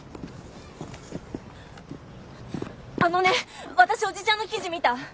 あのね私おじちゃんの記事見た。